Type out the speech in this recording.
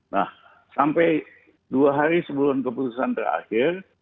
nah sampai dua hari sebelum keputusan terakhir